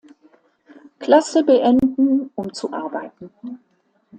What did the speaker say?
Klasse beenden um zu arbeiten.